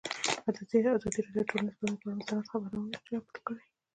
ازادي راډیو د ټولنیز بدلون پر اړه مستند خپرونه چمتو کړې.